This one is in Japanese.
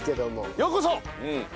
ようこそ！